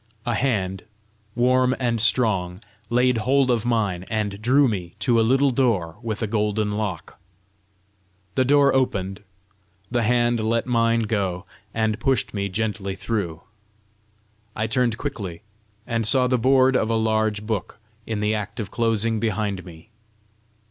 A hand, warm and strong, laid hold of mine, and drew me to a little door with a golden lock. The door opened; the hand let mine go, and pushed me gently through. I turned quickly, and saw the board of a large book in the act of closing behind me.